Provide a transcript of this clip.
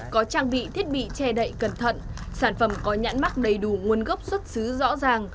có trang bị thiết bị che đậy cẩn thận sản phẩm có nhãn mắc đầy đủ nguồn gốc xuất xứ rõ ràng